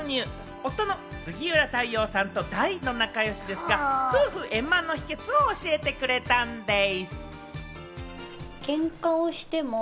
夫の杉浦太陽さんと大の仲良しですが、夫婦円満の秘訣を教えてくれたんでぃす。